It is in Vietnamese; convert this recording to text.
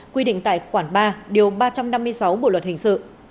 quy định tại khoản ba điều ba trăm năm mươi sáu bộ luật hình sự